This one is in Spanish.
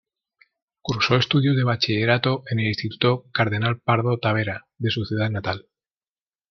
Cursó estudios de bachillerato en el instituto Cardenal Pardo Tavera de su ciudad natal.